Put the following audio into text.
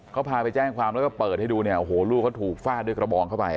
เขาพาไปแจ้งความแล้วก็เปิดให้ดูเนี่ยโอ้โหลูกเขาถูกฟาดด้วยกระบองเข้าไป